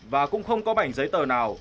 và cũng không có bảnh giấy tờ nào